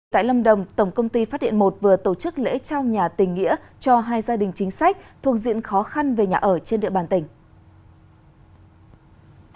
tại lâm đồng tổng công ty phát điện một vừa tổ chức lễ trao nhà tình nghĩa cho hai gia đình chính sách thuộc diện khó khăn về nhà ở trên địa bàn tỉnh